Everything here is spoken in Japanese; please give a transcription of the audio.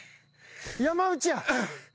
山内や。